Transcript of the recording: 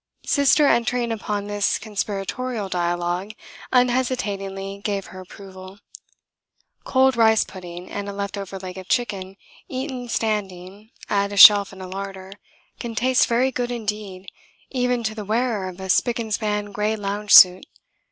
Sister, entering upon this conspiratorial dialogue, unhesitatingly gave her approval. Cold rice pudding and a left over leg of chicken, eaten standing, at a shelf in a larder, can taste very good indeed, even to the wearer of a spick and span grey lounge suit.